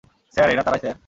Sir, এরা তারাই sir.